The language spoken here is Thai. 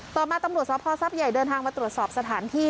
ต่อมาตำรวจสภทรัพย์ใหญ่เดินทางมาตรวจสอบสถานที่